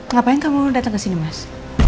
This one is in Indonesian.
ngapain kamu datang kesini mas